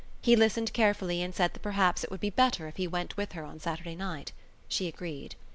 He listened carefully and said that perhaps it would be better if he went with her on Saturday night. She agreed.